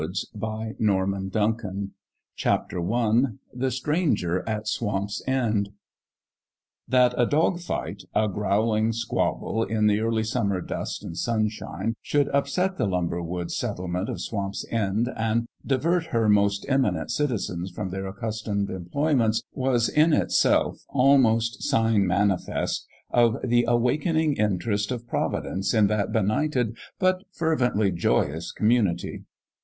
.194 9 The Measure of a Man THE STRANGER AT SWAMP'S END THAT a dog fight a growling squabble in the early summer dust and sunshine should upset the lumber woods set tlement of Swamp's End and divert her most eminent citizens from their accustomed employ ments was in itself almost sign manifest of the awakening interest of Providence in that be nighted but fervently joyous community.